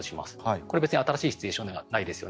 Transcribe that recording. これは別に新しいシチュエーションではないですよね。